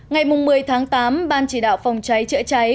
ngày một mươi tháng tám ban chỉ đạo phòng cháy chữa cháy